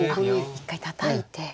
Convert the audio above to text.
一回たたいて。